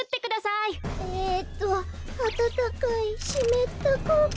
えとあたたかいしめったくうき。